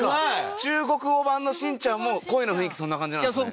中国語版のしんちゃんも声の雰囲気そんな感じなんですね。